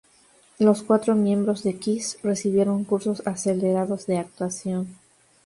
Los cuatro miembros de Kiss recibieron cursos acelerados de actuación.